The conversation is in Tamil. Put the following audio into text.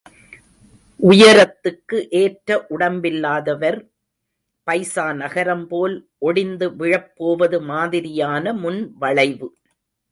உயரத்துக்கு ஏற்ற உடம்பில்லாதவர்... பைசா நகரம்போல் ஒடிந்து விழப் போவது மாதிரியான முன்வளைவு.